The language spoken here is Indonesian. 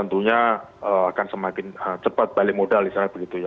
tentunya akan semakin cepat balik modal misalnya begitu ya